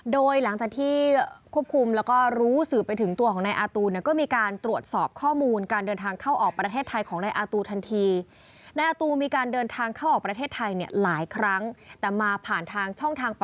โดยหลังจากที่ควบคุมและรู้สื่อไปถึงตัวของนายอาร์ตู